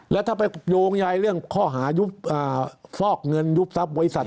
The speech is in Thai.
แล้วถ้าไปโยงยายเรื่องข้อหาฟอกเงินยุบทรัพย์บริษัท